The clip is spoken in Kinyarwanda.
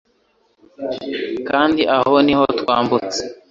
kandi aha niho twambutse